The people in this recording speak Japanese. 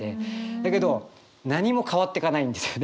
だけど何も変わってかないんですよね。